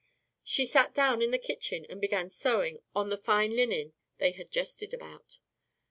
She sat down in the kitchen and began sewing on the fine linen they had jested about.